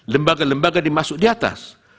lembaga lembaga dimasuk di atas